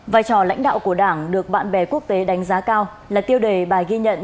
vai trò lãnh đạo của đảng được bạn bè quốc tế đánh giá cao là tiêu đề bài ghi nhận